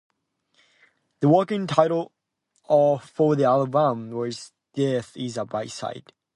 The working title for the album was "Death Is a B-Side".